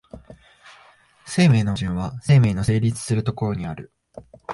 生命の矛盾は生命の成立する所にある。